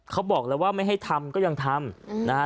เขาบอกแล้วว่าไม่ให้ทำก็ยังทำนะฮะ